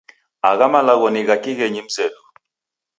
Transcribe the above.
Agha malagho ni gha kighenyi mzedu.